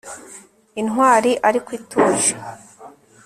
Intwari ariko ituje